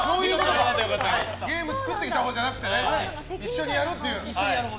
ゲーム作ってきたほうじゃなくてね一緒にやるっていう。